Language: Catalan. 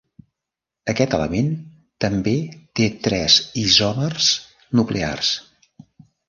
Aquest element també té tres isòmers nuclears.